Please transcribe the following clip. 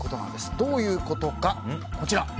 どういうことか、こちら。